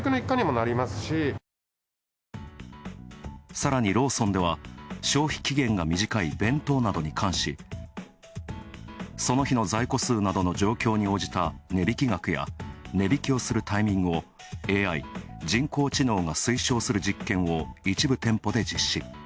さらにローソンでは、消費期限が短い弁当などに関し、その日の在庫数などの状況に応じた値引き額や値引きをするタイミングをＡＩ＝人工知能が推奨する実験を一部店舗で実施。